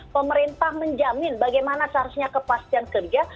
pemerintah menjamin bagaimana seharusnya kepastian kerja